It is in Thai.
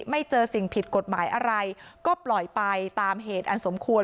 ไม่เจอสิ่งผิดกฎหมายอะไรก็ปล่อยไปตามเหตุอันสมควร